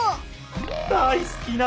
大すきな